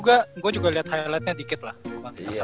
tapi gue juga liat highlightnya dikit lah